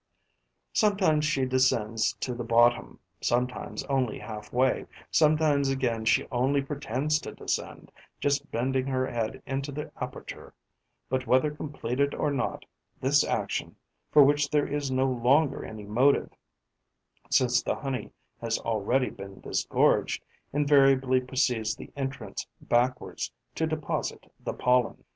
Sometimes, she descends to the bottom, sometimes only half way, sometimes again she only pretends to descend, just bending her head into the aperture; but, whether completed or not, this action, for which there is no longer any motive, since the honey has already been disgorged, invariably precedes the entrance backwards to deposit the pollen.